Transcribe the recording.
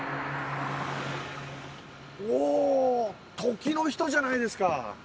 お時の人じゃないですか。